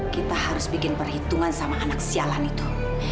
kita harus bikin perhitungan sama anak sialan itu